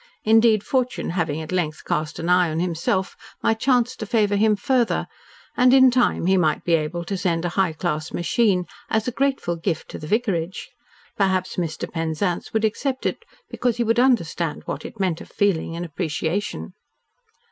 Indeed, Fortune having at length cast an eye on himself, might chance to favour him further, and in time he might be able to send a "high class machine" as a grateful gift to the vicarage. Perhaps Mr. Penzance would accept it because he would understand what it meant of feeling and appreciation.